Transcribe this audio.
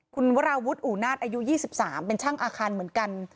คุณวราวุฒิอูนาศอายุ๒๓เป็นช่างอาคารเหมือนกัน